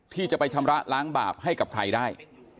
ที่จะไปชำระล้างบาปให้กับใครได้